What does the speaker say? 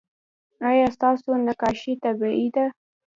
ایا ستاسو نقاشي طبیعي ده؟